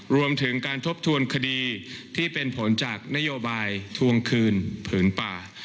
รวมถึงการทบทวนคดีที่เป็นผลจากนโยบายทวงคืนผืนป่า